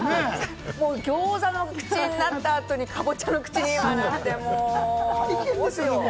ギョーザの口になった後にカボチャの口になって。